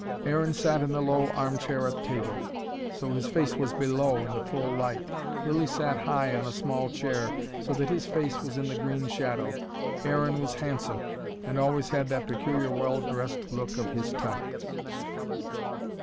Aaron sat in the low arm chair at table. So his face was below, in the full light. Lilly sat high on a small chair, so that his face was in the green shadow. Aaron was handsome, and always had that peculiar well dressed look of his type.